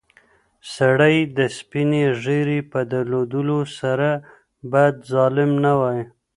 سړی د سپینې ږیرې په درلودلو سره باید ظالم نه وای.